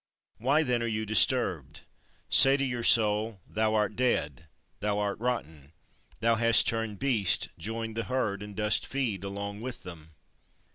Why then are you disturbed? Say to your soul: "Thou art dead: thou art rotten: thou hast turned beast, joined the herd, and dost feed along with them."